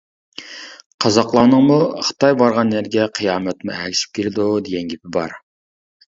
قازاقلارنىڭمۇ«خىتاي بارغان يەرگە قىيامەتمۇ ئەگىشىپ كېلىدۇ» دېگەن گېپى بار.